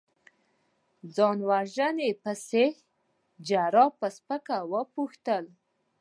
ځان وژنې پسې؟ جراح په سپکه وپوښتل.